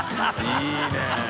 いいね！